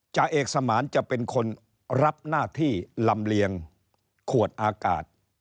จ่าเอกสมานจะเป็นคนรับหน้าที่ลำเลียงขวดอากาศ